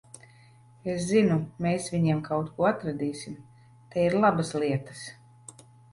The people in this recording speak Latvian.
Es zinu, mēs viņiem kaut ko atradīsim. Te ir labas lietas.